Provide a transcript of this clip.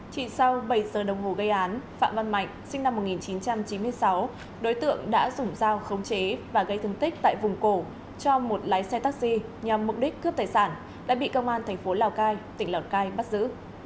chỉ sau bảy giờ đồng hồ gây án phạm văn mạnh sinh năm một nghìn chín trăm chín mươi sáu đối tượng đã dùng dao khống chế và gây thương tích tại vùng cổ cho một lái xe taxi nhằm mục đích cướp tài sản đã bị công an thành phố lào cai tỉnh lào cai bắt giữ